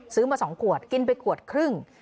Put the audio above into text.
ซื้อมา๒ขวดกินไปขวดครึ่ง